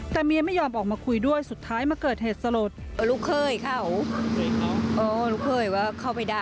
แต่เมียไม่ยอมออกมาคุยด้วยสุดท้ายมาเกิดเหตุสลด